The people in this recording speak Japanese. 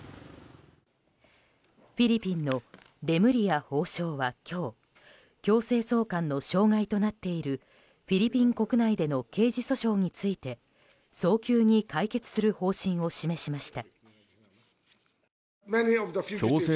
フィリピンのレムリヤ法相は今日強制送還の障害となっているフィリピン国内での刑事訴訟について早急に解決する方針を示しました。